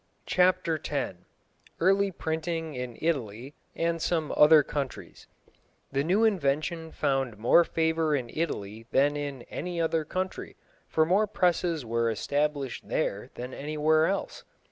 CHAPTER X EARLY PRINTING IN ITALY AND SOME OTHER COUNTRIES The new invention found more favour in Italy than in any other country, for more presses were established there than anywhere else.